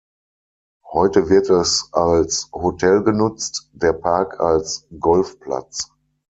Heute wird es als Hotel genutzt, der Park als Golfplatz.